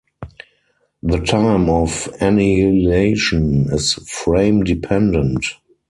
The time of annihilation is frame dependent.